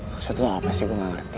maksud lo apa sih gue gak ngerti